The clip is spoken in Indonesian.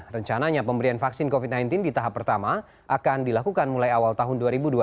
rencananya pemberian vaksin covid sembilan belas di tahap pertama akan dilakukan mulai awal tahun dua ribu dua puluh